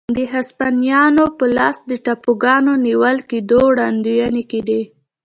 د هسپانویانو په لاس د ټاپوګانو نیول کېدو وړاندوېنې کېدې.